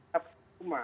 dia sudah semua